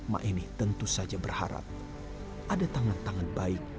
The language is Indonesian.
ma eni tentu saja berharap ada tangan tangan baik